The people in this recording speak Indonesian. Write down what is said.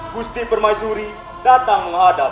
gusti permaisuri datang menghadap